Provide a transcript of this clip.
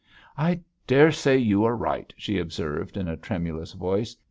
'I daresay you are right,' she observed, in a tremulous voice.